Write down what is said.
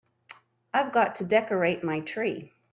I've got to decorate my tree.